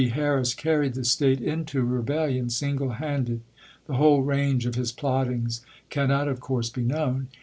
Harris carried the State into rebellion single handed. The whole range of his plottings cannot, of course, be known.